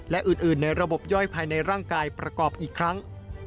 และอื่นในระบบย่อยภายในร่างกายประกอบอีกครั้ง